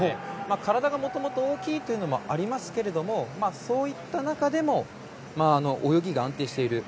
体がもともと大きいというのもありますけれどもそういった中でも泳ぎが安定している。